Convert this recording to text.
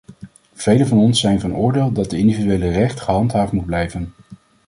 Velen van ons zijn van oordeel dat dat individuele recht gehandhaafd moet blijven.